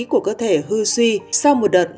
của cơ thể hư suy sau một đợt